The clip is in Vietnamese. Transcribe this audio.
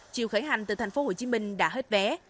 chiều khởi hành từ thành phố hồ chí minh đã hết vé